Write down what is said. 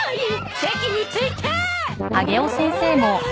席に着いてー！